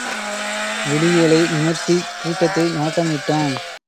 விழிகளை நிமிர்த்திக் கூட்டத்தை நோட்டம் விட்டான்.